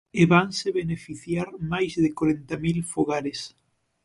E vanse beneficiar máis de corenta mil fogares.